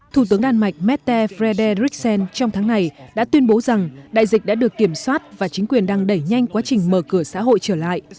thủ tướng đan mạch mette frederiksen trong tháng này đã tuyên bố rằng đại dịch đã được kiểm soát và chính quyền đang đẩy nhanh quá trình mở cửa xã hội trở lại